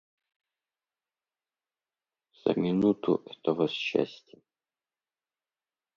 За минуту этого счастья...